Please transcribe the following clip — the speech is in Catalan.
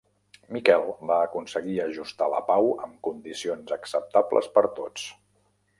Miquel va aconseguir ajustar la pau amb condicions acceptables per tots.